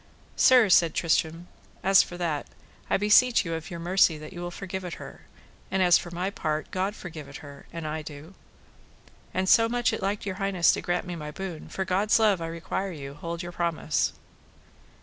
Sir, said Tristram, as for that, I beseech you of your mercy that you will forgive it her, and as for my part, God forgive it her, and I do; and so much it liked your highness to grant me my boon, for God's love I require you hold your promise.